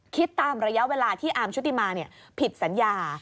คิดตามระยะเวลาที่อาร์มชุติมาผิดสัญญา